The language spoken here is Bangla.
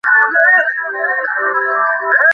নিসার আলি শ্যামগঞ্জ নেমে পড়লেন।